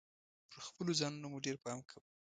پر خپلو ځانونو مو ډیر پام کوﺉ .